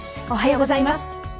おはようございます。